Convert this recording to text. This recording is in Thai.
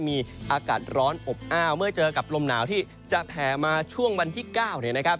มีอากาศร้อนอบอ้าวเมื่อเจอกับลมหนาวที่จะแผ่มาช่วงวันที่๙เนี่ยนะครับ